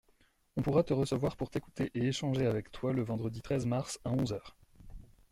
On pourra te recevoir pour t’écouter et échanger avec toi le vendredi treize mars à onze heures.